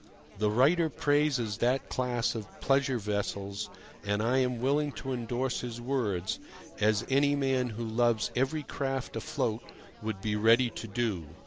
The writer praises that class of pleasure vessels, and I am willing to endorse his words, as any man who loves every craft afloat would be ready to do.